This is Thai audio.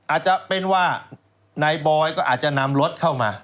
อาจจะเป็นว่านายบอยก็อาจจะนำรถเข้ามา